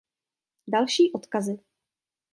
Další odkazy.